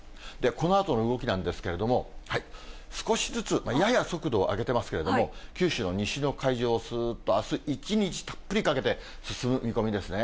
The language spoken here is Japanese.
このあとの動きなんですけれども、少しずつ、やや速度を上げてますけれども、九州の西の海上をすーっとあす一日たっぷりかけて、進む見込みですね。